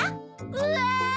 うわ！